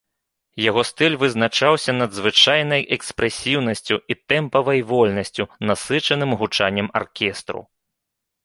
Яго стыль вызначаўся надзвычайнай экспрэсіўнасцю і тэмпавай вольнасцю, насычаным гучаннем аркестру.